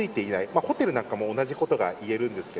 ホテルなども同じことが言えるんですが。